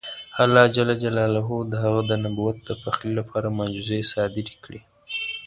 الله جل جلاله د هغه د نبوت د پخلي لپاره معجزې صادرې کړې.